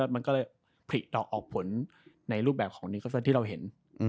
มันก็เลยผลิดอกออกผลในรูปแบบของนิคอนเซอร์ที่เราเห็น